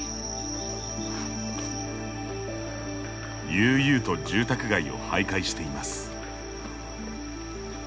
悠々と住宅街をはいかいしています。